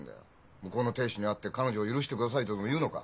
向こうの亭主に会って「彼女を許してください」とでも言うのか？